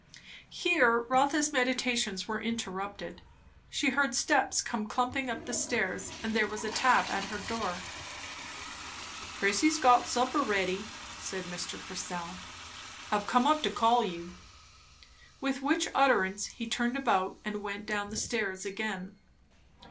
Here Rotha's meditations were interrupted. She heard steps come clumping up the stairs, and there was a tap at her door. "Prissy's got supper ready," said Mr. Purcell. "I've come up to call you." With which utterance he turned about and went down the stairs again.